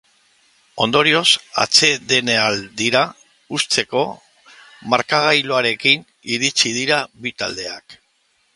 Ondorioz, atsedenaldira hutseko markagailuarekin iritsi dira bi taldeak.